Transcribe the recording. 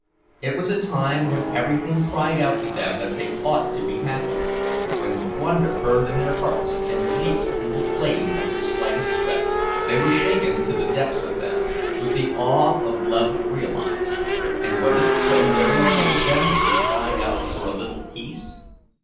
It was a time when everything cried out to them that they ought to be happy; when wonder burned in their hearts, and leaped into flame at the slightest breath. They were shaken to the depths of them, with the awe of love realized—and was it so very weak of them that they cried out for a little peace?